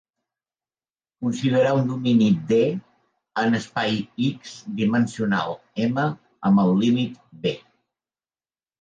Considerar un domini "D" en l'espai "x" "dimensional-"m", amb el límit "B".